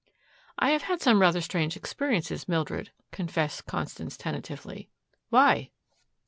"I have had some rather strange experiences, Mildred," confessed Constance tentatively. "Why!"